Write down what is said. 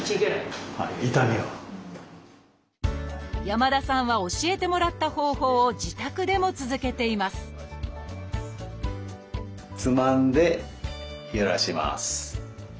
山田さんは教えてもらった方法を自宅でも続けていますつまんでゆらします。